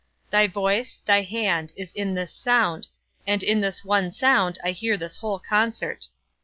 Thy voice, thy hand, is in this sound, and in this one sound I hear this whole concert.